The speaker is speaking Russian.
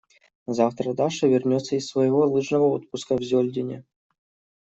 Завтра Даша вернется из своего лыжного отпуска в Зёльдене.